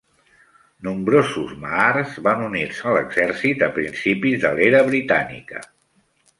Nombrosos Mahars va unir-se l'exèrcit a principis de l'era britànica.